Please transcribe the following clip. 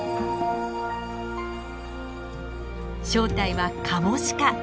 正体はカモシカ。